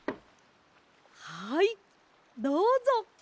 はいどうぞ。